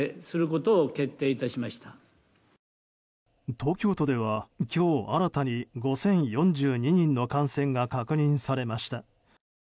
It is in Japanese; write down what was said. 東京都では今日新たに５０４２人の感染が確認されました。